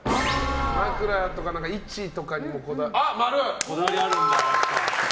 枕とかの位置にもこだわる。